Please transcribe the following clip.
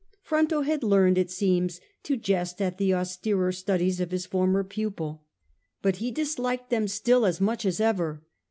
Fronto had learned, it seems, to jest at the austerei studies of his former pupil, but he disliked them still as much as ever.